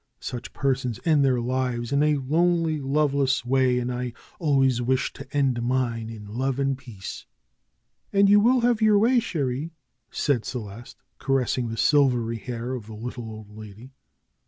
Such persons end their lives in a lonely, loveless way, and I always wished to end mine in love and peace." "And you will have your way, cherie," said Celeste, caressing the silvery hair of the little old lady.